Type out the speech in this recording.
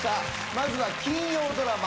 まずは金曜ドラマ